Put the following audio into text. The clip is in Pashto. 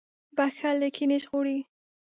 • بښل له کینې ژغوري.